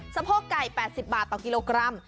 สะโพกไก่๘๐บาทต่อกิโลกรัม